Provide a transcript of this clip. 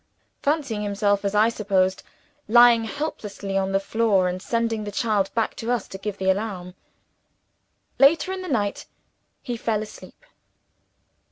fancying himself (as I suppose), lying helpless on the floor, and sending the child back to us to give the alarm. Later in the night he fell asleep.